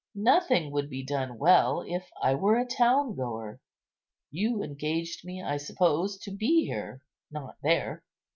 Nothing would be done well if I were a town goer. You engaged me, I suppose, to be here, not there."